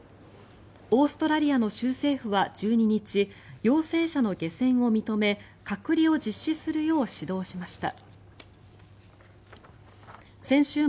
オーストラリアの州政府は１２日陽性者の下船を認め隔離を実施するよう指導しました。